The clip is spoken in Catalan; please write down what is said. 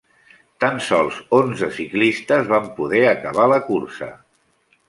Tan sols onze ciclistes van poder acabar la cursa.